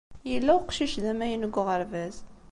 Yella uqcic d amaynu deg uɣerbaz.